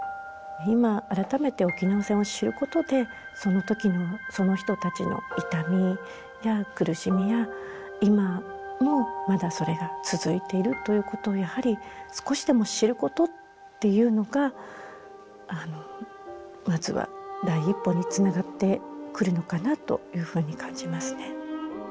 今改めて沖縄戦を知ることでその時のその人たちの痛みや苦しみや今もまだそれが続いているということをやはり少しでも知ることっていうのがまずは第一歩につながってくるのかなというふうに感じますね。